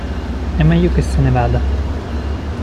È meglio che se ne vada.